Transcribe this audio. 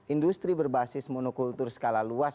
industri berbasis monokultur skala luas